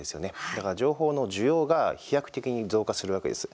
だから情報の需要が飛躍的に増加するわけです。